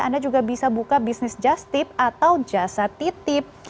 anda juga bisa buka bisnis justip atau jasa titip